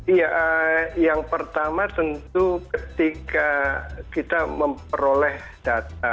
iya yang pertama tentu ketika kita memperoleh data